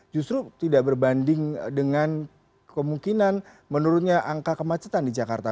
justru tidak berbanding dengan kemungkinan menurunnya angka kemacetan di jakarta